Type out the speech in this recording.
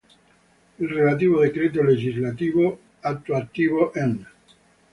Il relativo decreto legislativo attuativo n.